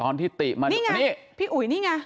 นี่ไงพี่อุ๋ยนี่ไง